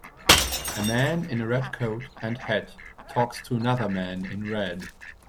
A man in a red coat and hat talks to another man in red.